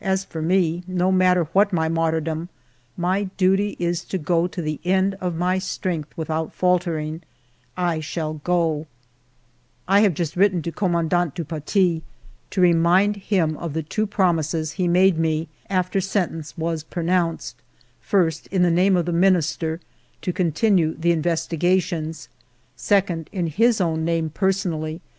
As for me, no matter what my martyrdom, my duty is to go to the end of my strength without faltering. I shall go I have just written to Commandant du Paty to remind him of the two promises he made me after sentence was pronounced : first, in the name of the Minister to continue the investiga tions ; second, in his own name personally, to ^ Raw tomatoes are considered in France as inedible as raw potatoes.